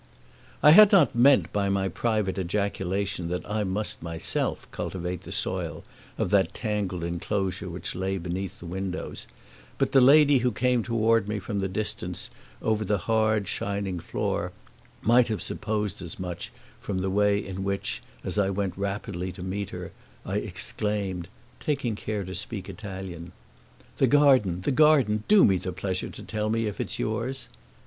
I had not meant by my private ejaculation that I must myself cultivate the soil of the tangled enclosure which lay beneath the windows, but the lady who came toward me from the distance over the hard, shining floor might have supposed as much from the way in which, as I went rapidly to meet her, I exclaimed, taking care to speak Italian: "The garden, the garden do me the pleasure to tell me if it's yours!"